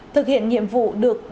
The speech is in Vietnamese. thực hiện nhiệm vụ được đồng chí